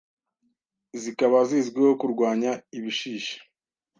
zikaba zizwiho kurwanya ibishishi,